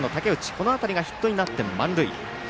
この当たりがヒットになって満塁。